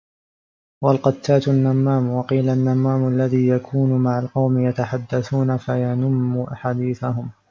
وَالْقَتَّاتُ النَّمَّامُ وَقِيلَ النَّمَّامُ الَّذِي يَكُونُ مَعَ الْقَوْمِ يَتَحَدَّثُونَ فَيَنُمُّ حَدِيثَهُمْ